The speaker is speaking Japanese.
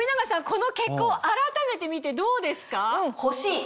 この結果を改めて見てどうですか？